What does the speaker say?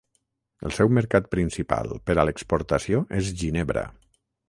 El seu mercat principal per a l'exportació és Ginebra.